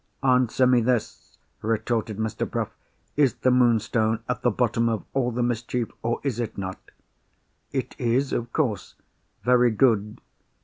"Answer me this," retorted Mr. Bruff. "Is the Moonstone at the bottom of all the mischief—or is it not?" "It is—of course." "Very good.